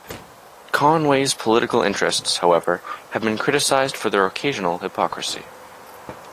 Conway's political interests, however, have been criticized for their occasional hypocrisy.